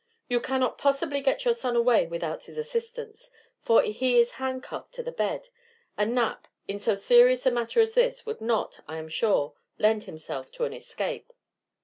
You cannot possibly get your son away without his assistance, for he is handcuffed to the bed, and Knapp, in so serious a matter as this, would not, I am sure, lend himself to an escape.